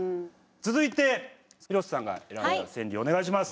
続いて、広瀬さんが選んだ川柳、お願いします。